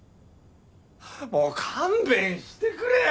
もう勘弁してくれよ！